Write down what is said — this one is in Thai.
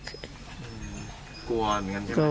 กลัวเหมือนกันใช่ไหม